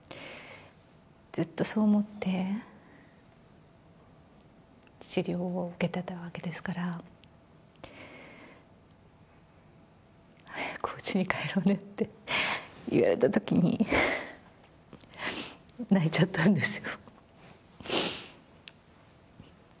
ずっとそう思って、治療を受けてたわけですから。早くおうちに帰ろうねって言われたときに、泣いちゃったんですよ。